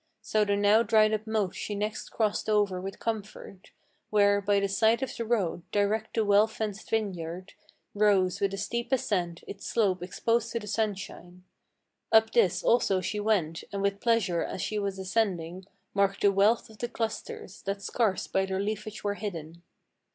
So the now dried up moat she next crossed over with comfort, Where, by the side of the road, direct the well fenced vineyard, Rose with a steep ascent, its slope exposed to the sunshine. Up this also she went, and with pleasure as she was ascending Marked the wealth of the clusters, that scarce by their leafage were hidden.